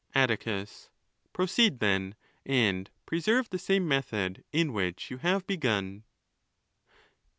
Atticus.—Proceed, then, and preserve the same method in which you have begun.